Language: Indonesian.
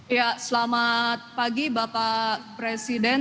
ya selamat pagi bapak presiden